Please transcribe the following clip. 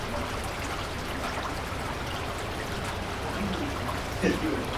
Kwa sasa si jambo geni kwao na pengine hivi sasa kuna unafuu